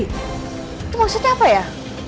itu maksudnya apa ya